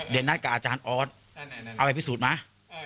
เดี๋ยวนัดกับอาจารย์ออสเอาไปพิสูจน์ไหม